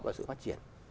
vào sự phát triển